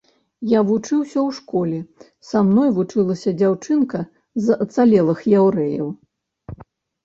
Я вучыўся ў школе, са мной вучылася дзяўчынка з ацалелых яўрэяў.